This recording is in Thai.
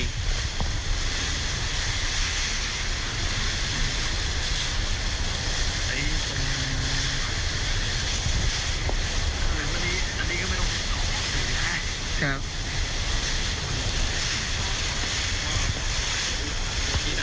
เหมือนวันนี้อันนี้ก็ไม่ต้องถูนะ